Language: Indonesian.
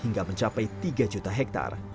hingga mencapai tiga juta hektare